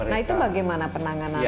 nah itu bagaimana penanganannya